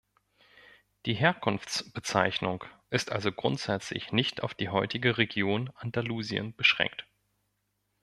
Die Herkunftsbezeichnung ist also grundsätzlich nicht auf die heutige Region Andalusien beschränkt.